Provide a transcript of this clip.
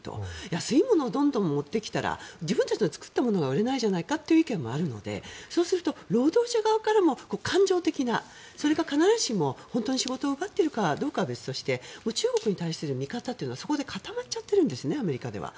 安いものをどんどん持ってきたら自分たちの作ったものが売れないじゃないかという意見もあるのでそうすると労働者側からも感情的なそれが必ずしも本当に仕事を奪っているかどうかは別にして中国に対する見方はそこで固まってしまってるんですアメリカでは。